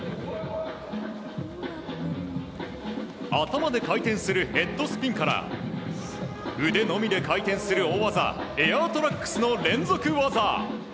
頭で回転するヘッドスピンから腕のみで回転する大技エアートラックスの連続技。